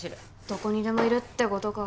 どこにでもいるって事か。